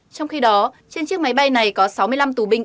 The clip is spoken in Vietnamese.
trong khi đó trên chiếc máy bay này có sáu mươi năm tù binh ukraine